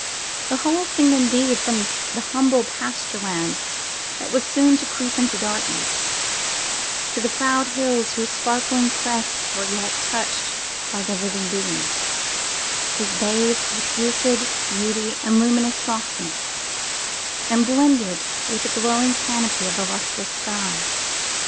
The whole scene, indeed, from the humble pasture land that was soon to creep into darkness, to the proud hills whose sparkling crests were yet touched by the living beam, was bathed with lucid beauty and luminous softness, and blended with the glowing canopy of the lustrous sky.